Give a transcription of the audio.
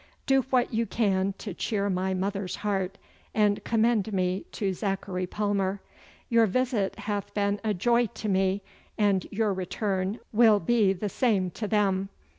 Do what you can to cheer my mother's heart, and commend me to Zachary Palmer. Your visit hath been a joy to me, and your return will be the same to them.